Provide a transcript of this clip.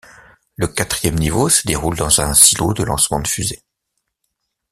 Le quatrième niveau se déroule dans un silo de lancement de fusées.